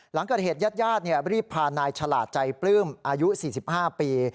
หลังกับเหตุญาตรยาตรเนี่ยรีบพานายฉลาดใจปลื้มอายุ๔๕ปี